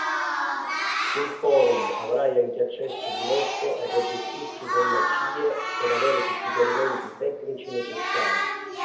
Sul forum, avrai anche accesso diretto ai progettisti della CIE per avere tutti i chiarimenti tecnici necessari.